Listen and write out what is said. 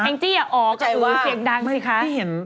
แอ้งจี้อย่าอ๋อกับอู๋เสียงดังสิคะ